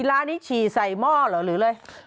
ร้านนี้ฉี่ใส่หม้อเหรอหรืออะไร